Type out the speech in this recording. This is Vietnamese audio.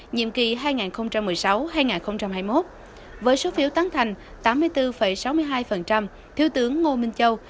nhiệm kỳ hai nghìn một mươi sáu hai nghìn hai mươi một với số phiếu tán thành tám mươi bốn sáu mươi hai thiếu tướng ngô minh châu